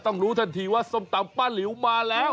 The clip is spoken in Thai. รู้ทันทีว่าส้มตำป้าหลิวมาแล้ว